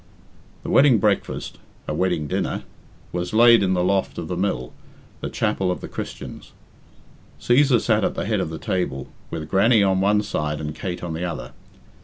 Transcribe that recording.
The wedding breakfast (a wedding dinner) was laid in the loft of the mill, the chapel of The Christians. Cæsar sat at the head of the table, with Grannie on one side and Kate on the other.